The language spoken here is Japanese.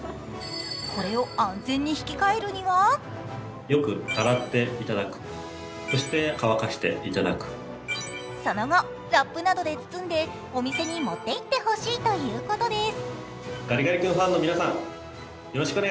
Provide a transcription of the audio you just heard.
これを安全に引き換えるには？その後ラップなどに包んでお店に持っていってほしいということです。